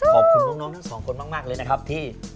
ขอบคุณน้องทั้งสองคนมากเลยนะครับที่